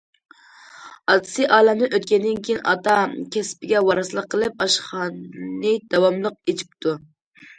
ئاتىسى ئالەمدىن ئۆتكەندىن كېيىن، ئاتا كەسپىگە ۋارىسلىق قىلىپ، ئاشخانىنى داۋاملىق ئېچىپتۇ.